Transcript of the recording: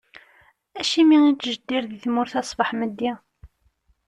Acimi i nettjeddir di tmurt-a ṣbeḥ meddi?